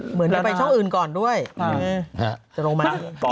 เหมือนจะไปช่องอื่นก่อนด้วยอ่าฮะเจพมาเรามา